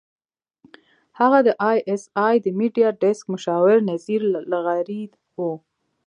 هغه د اى ايس اى د میډیا ډیسک مشاور نذیر لغاري وو.